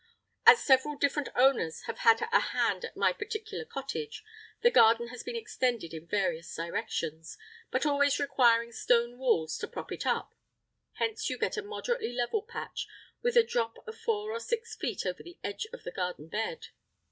As several different owners have had a hand at my particular cottage, the garden has been extended in various directions, but always requiring stone walls to prop it up. Hence you get a moderately level patch, with a drop of four or six feet over the edge of the garden bed.